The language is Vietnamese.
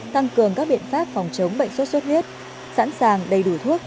tăng cường các biện pháp phòng chống bệnh sốt xuất huyết sẵn sàng đầy đủ thuốc